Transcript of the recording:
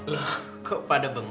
loh kok pada bengong